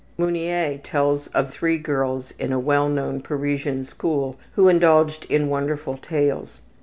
Meunier tells of three girls in a well known Parisian school who indulged in wonderful tales.